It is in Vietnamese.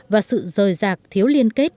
và sự rời rạc thiếu liên kết